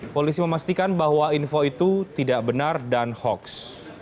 polisi memastikan bahwa info itu tidak benar dan hoax